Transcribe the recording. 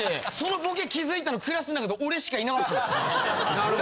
なるほど。